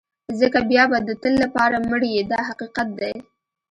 ځکه بیا به د تل لپاره مړ یې دا حقیقت دی.